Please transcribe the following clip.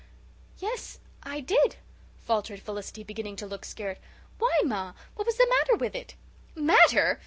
"Yes, I did," faltered Felicity, beginning to look scared. "Why, ma, what was the matter with it?" "Matter!